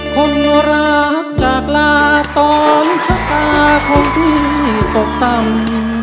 คนรักจากลาตอนช้าค่าคงดีตกต่ำ